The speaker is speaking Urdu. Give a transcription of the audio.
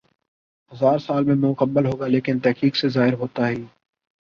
ہزا ر سال میں مکمل ہوگا لیکن تحقیق سی ظاہر ہوتا ہی